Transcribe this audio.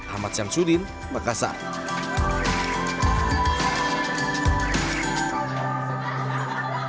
ahmad syamsudin makassar